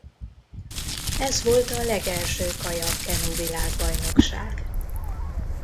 Ez volt a legelső kajak-kenu világbajnokság.